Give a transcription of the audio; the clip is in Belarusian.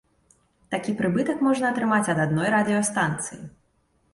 Такі прыбытак можна атрымаць ад адной радыёстанцыі.